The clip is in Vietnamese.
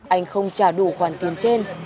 anh không trả đủ khoản tiền trên